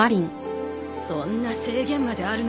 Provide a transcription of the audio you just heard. そんな制限まであるのか。